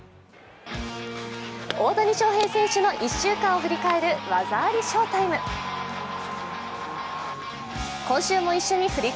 大谷翔平選手の１週間を振り返る「技ありＳＨＯ−ＴＩＭＥ」。